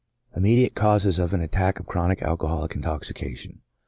IMMEDIATE CAUSES OF AN ATTACK OF CHRONIC ALCOHOLIC INTOXICATION.